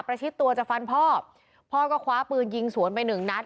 ชิดตัวจะฟันพ่อพ่อก็คว้าปืนยิงสวนไปหนึ่งนัด